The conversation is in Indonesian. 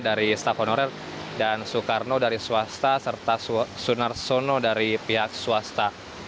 dari staf honorer dan soekarno dari swasta serta sunarsono dari pihak swasta